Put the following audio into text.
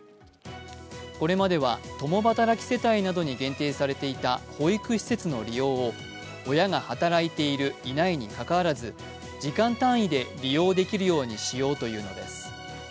これまでは共働き世帯などに限定されていた保育施設の利用を親が働いている、いないにかかわらず時間単位で利用できるようにしようというのです。